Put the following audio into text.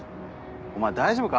お前大丈夫か？